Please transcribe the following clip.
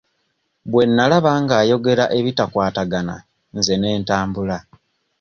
Bwe nnalaba nga ayogera ebitakwatagana nze ne ntambula.